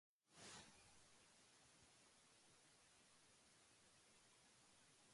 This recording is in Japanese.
裁縫道具